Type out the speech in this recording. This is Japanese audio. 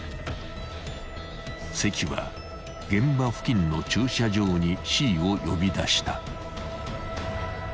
［関は現場付近の駐車場にＣを呼び出した］